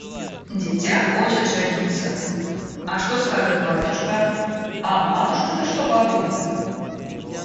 – Дитя хочет жениться! А что скажет батюшка, а матушка-то что подумает?»